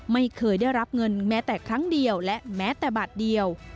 ไม่เคยได้รับเงินแม้แต่ครั้งเดียวและแม้แต่บาทเดียว